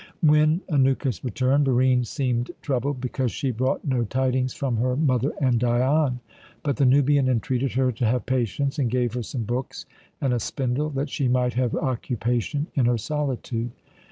When Anukis returned, Barine seemed troubled because she brought no tidings from her mother and Dion; but the Nubian entreated her to have patience, and gave her some books and a spindle, that she might have occupation in her solitude.